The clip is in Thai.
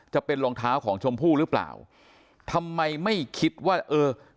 จะเป็นรองเท้าของชมพู่หรือเปล่าทำไมไม่คิดว่าเออ